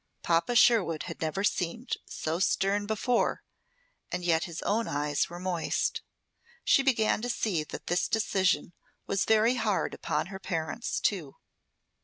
Papa Sherwood had never seemed so stern before, and yet his own eyes were moist. She began to see that this decision was very hard upon her parents, too.